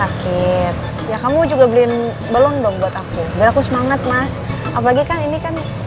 sakit ya kamu juga beliin belum dong buat aku biar aku semangat mas apalagi kan ini kan